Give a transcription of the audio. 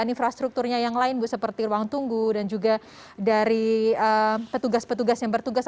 infrastrukturnya yang lain bu seperti ruang tunggu dan juga dari petugas petugas yang bertugas